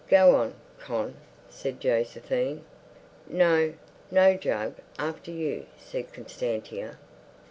"Go on, Con," said Josephine. "No, no, Jug; after you," said Constantia.